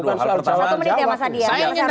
dua hal pertama saya ingin